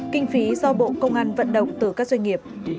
kinh phí do bộ công an vận động từ các doanh nghiệp